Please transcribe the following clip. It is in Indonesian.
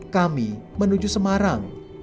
kami menuju semarang